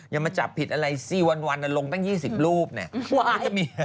อย่ามาจับผิดอะไรสิวันลงตั้ง๒๐รูปเนี่ย